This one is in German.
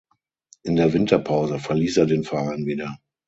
In der Winterpause verließ er den Verein wieder.